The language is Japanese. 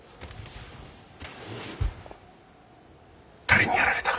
誰にやられた。